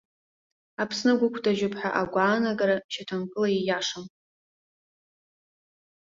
Аԥсны гәыгәҭажьуп ҳәа агәаанагара шьаҭанкыла ииашам.